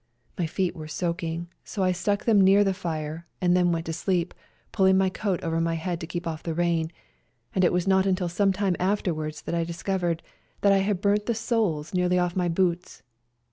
My feet were soaking, so I stuck them near the fire and then went to sleep, pulling my coat over my head to keep off the rain, and it was not until some time afterwards that I dis covered that I had burnt the soles nearly 138 FIGHTING ON MOUNT CHUKUS off my boots.